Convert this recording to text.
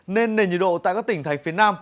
nên nền nhiệt độ tại các tỉnh thành phía nam